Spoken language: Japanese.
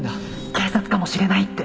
警察かもしれないって